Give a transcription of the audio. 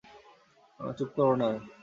চুপ করব না আমি।